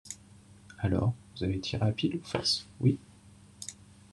… alors vous avez tiré à pile ou face, oui.